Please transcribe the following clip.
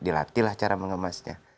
dilatih lah cara mengemasnya